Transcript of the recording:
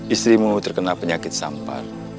isterimu terkena penyakit sampah